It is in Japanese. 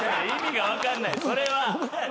意味が分かんないそれは。